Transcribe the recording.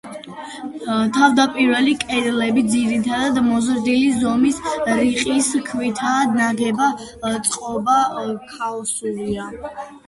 თავდაპირველი კედლები, ძირითადად, მოზრდილი ზომის რიყის ქვითაა ნაგები, წყობა ქაოსურია.